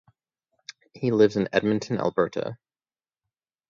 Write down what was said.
He lives in Edmonton, Alberta.